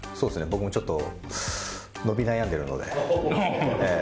僕もちょっと伸び悩んでるので。